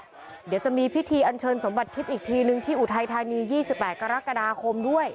เดี๋ยวจะมีพิธีอันเชิญสมบัติทิพย์อีกทีนึงที่อุทัยธานี๒๘กรกฎาคมด้วย